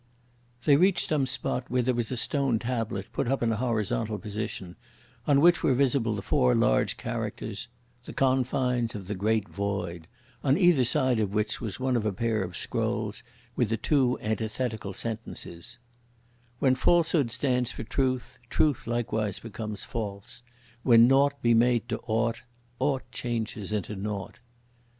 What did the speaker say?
They reached some spot, where there was a stone tablet, put up in a horizontal position, on which were visible the four large characters: "The confines of the Great Void," on either side of which was one of a pair of scrolls, with the two antithetical sentences: When falsehood stands for truth, truth likewise becomes false; When naught be made to aught, aught changes into naught!